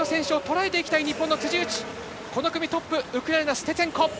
この組トップウクライナ、ステツェンコ。